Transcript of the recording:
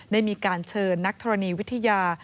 ได้มีการเชิญนักธรณีวิทยา